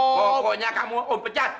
pokoknya kamu om pecat